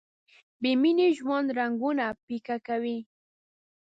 بې مینې ژوند رنګونه پیکه کوي.